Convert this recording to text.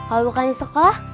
kalau bukan di sekolah